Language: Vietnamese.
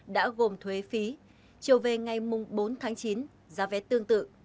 đã gồm thuế phí chiều về ngày bốn tháng chín giá vé tương tự